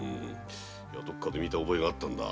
どこかで見た覚えがあったんだ。